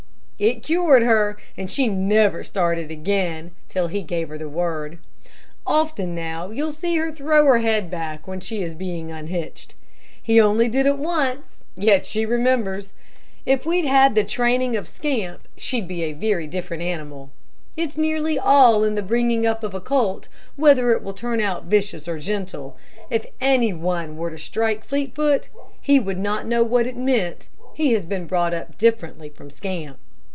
It cured her, and she never started again, till he gave her the word. Often now, you'll see her throw her head back when she is being unhitched. He only did it once, yet she remembers. If we'd had the training of Scamp, she'd be a very different animal. It's nearly all in the bringing up of a colt, whether it will turn out vicious or gentle. If any one were to strike Fleetfoot, he would not know what it meant. He has been brought up differently from Scamp.